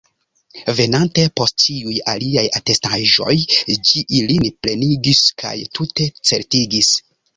Venante post ĉiuj aliaj atestaĵoj, ĝi ilin plenigis kaj tute certigis.